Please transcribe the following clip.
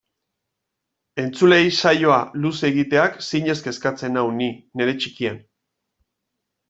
Entzuleei saioa luze egiteak zinez kezkatzen nau ni, neure txikian.